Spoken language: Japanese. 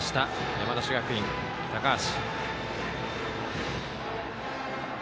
山梨学院、高橋。